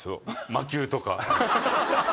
魔球とか。